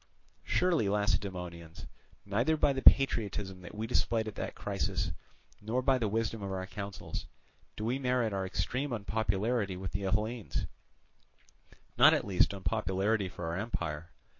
"Surely, Lacedaemonians, neither by the patriotism that we displayed at that crisis, nor by the wisdom of our counsels, do we merit our extreme unpopularity with the Hellenes, not at least unpopularity for our empire.